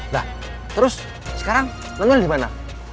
lah terus sekarang neng neng dimana